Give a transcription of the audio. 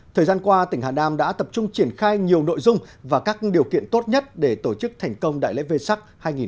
thời gian qua tỉnh hà nam đã tập trung triển khai nhiều nội dung và các điều kiện tốt nhất để tổ chức thành công đại lễ vê sắc hai nghìn một mươi chín